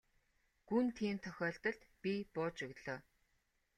Гүн тийм тохиолдолд би бууж өглөө.